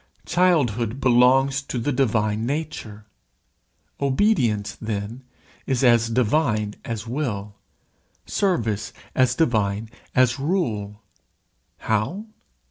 Childhood belongs to the divine nature. Obedience, then, is as divine as Will, Service as divine as Rule. How?